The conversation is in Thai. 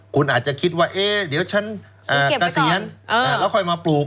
คุณอาจจะคิดว่าเดี๋ยวฉันเกษียณแล้วค่อยมาปลูก